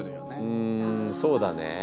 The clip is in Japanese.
うんそうだね。